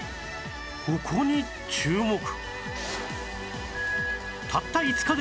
ここに注目！